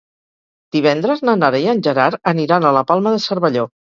Divendres na Nara i en Gerard aniran a la Palma de Cervelló.